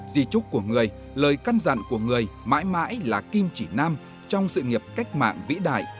di trúc của người lời căn dặn của người mãi mãi là kim chỉ nam trong sự nghiệp cách mạng vĩ đại